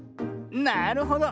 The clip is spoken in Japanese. なるほど。